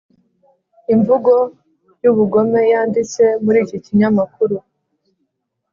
imvugo y’ubugome yanditse muri iki kinyamakuru